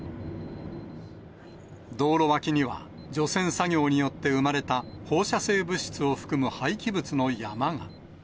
道路脇には、除染作業によって生まれた放射性物質を含む廃棄物の山が。